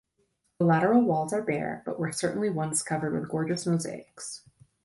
The lateral walls are bare, but were certainly once covered with gorgeous mosaics.